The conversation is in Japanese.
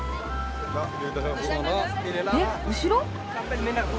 えっ後ろ？